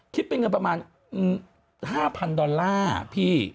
คิดเป็นเงินประมาณ๕๐๐๐ดอลลาร์พี่